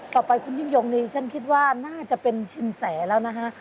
ต่อไปคุณยิ่งยงนี่ฉันคิดว่าน่าจะเป็นชินแสแล้วนะฮะ